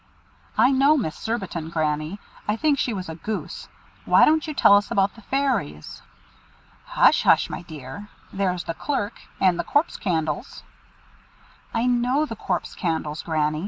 "I know Miss Surbiton, Granny. I think she was a goose. Why don't you tell us about the Fairies?" "Hush! hush! my dear. There's the Clerk and the Corpse candles." "I know the Corpse candles, Granny.